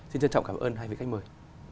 xin trân trọng cảm ơn hai vị khách mời